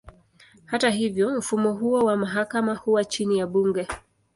Hata hivyo, mfumo huo wa mahakama huwa chini ya bunge.